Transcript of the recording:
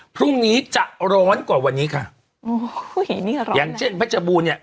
พรุ่งนี้จะร้อนกว่าวันนี้ค่ะโอ้ยนี่ค่ะอย่างเช่นเพชรบูรณเนี่ย